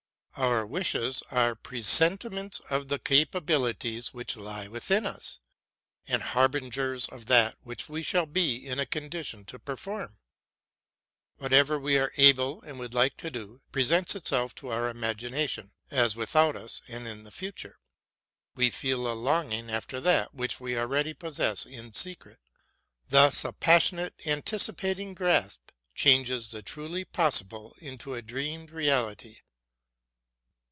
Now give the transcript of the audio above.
Our wishes are presentiments of the capabilities which lie within us, and harbingers of that which we shall be in a con RELATING TO MY LIFE. 321 dition to perform. Whatever we are able and would like to do, presents itself to our imagination, as without us and in the future. We feel a longing after that which we already possess in secret. Thus a passionate anticipating grasp changes the truly possible into a dreamed reality.